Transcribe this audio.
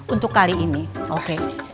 untuk kali ini oke